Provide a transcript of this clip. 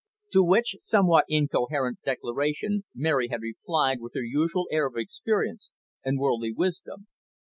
To which somewhat incoherent declaration Mary had replied with her usual air of experience and worldly wisdom.